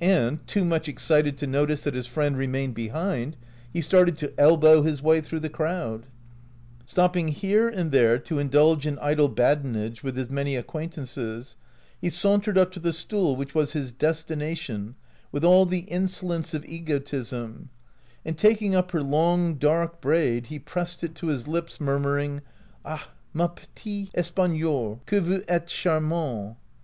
And, too much excited to notice that his friend remained behind, he started to elbow his way through the crowd. Stopping here and there to indulge in idle badinage with his many acquaintances, he sauntered up to the stool which was his des tination with all the insolence of egotism, and, taking up her long, dark braid, he pressed it to his lips, murmuring: OUT OF BOHEMIA "Ah, ma petite Espagnole, que vous ites charmante."